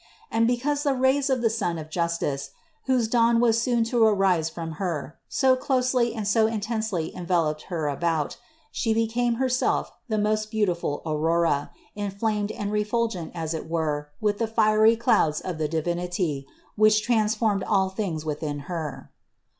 And because the rays of the Sun of Justice, whose dawn was soon to arise from Her, so closely and so intensely enveloped Her about, She became Herself the most beautiful aurora, inflamed and refulgent as it were with the fiery clouds of the Divinity, which transformed all things within Her.